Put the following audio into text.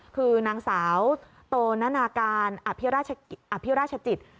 คือนางสาวโตนานาการอภิราชจิต